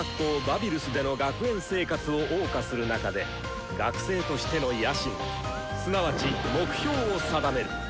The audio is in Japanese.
バビルスでの学園生活をおう歌する中で学生としての野心すなわち目標を定める。